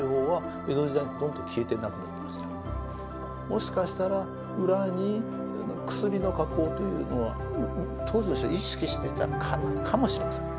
もしかしたら裏に薬の加工というのは当時の人は意識してたかもしれません。